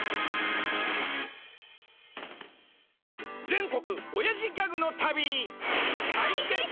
全国おやじギャグの旅！